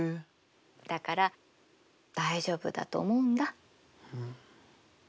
だから大丈夫だと思うんだ。